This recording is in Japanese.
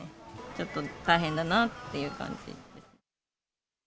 ちょっと大変だなっていう感じですね。